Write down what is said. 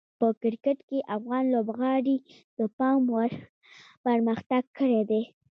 په کرکټ کې افغان لوبغاړي د پام وړ پرمختګ کړی دی.